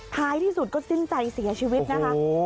ท้ายที่สุดก็สิ้นใจเสียชีวิตนะคะ